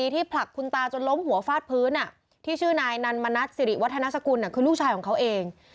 ที่ชื่อนายนันมสิริวัฒนาสกุลคือลูกชายของเขาเอง